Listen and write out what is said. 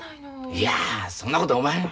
いやそんなことおまへん。